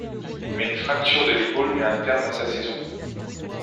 Mais une fracture de l'épaule met un terme à sa saison.